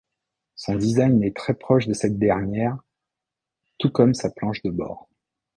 Son design est très proche de cette dernière, tout comme sa planche de bord.